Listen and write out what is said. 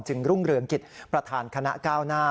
รุ่งเรืองกิจประธานคณะก้าวหน้า